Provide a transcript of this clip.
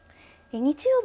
日曜日